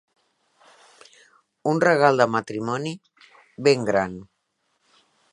Un regal de matrimoni, ben gran.